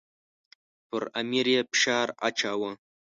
پر امیر یې فشار اچاوه.